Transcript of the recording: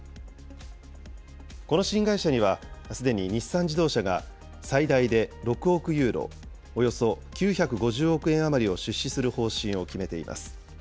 この新会社には、すでに日産自動車が最大で６億ユーロ、およそ９５０億円余りを出資する方針を決めています。